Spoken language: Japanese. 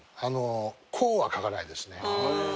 こうは書かないですね。